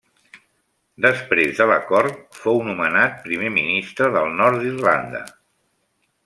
Després de l'acord, fou nomenat primer ministre del nord d'Irlanda.